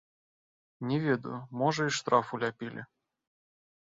Не ведаю, можа, і штраф уляпілі.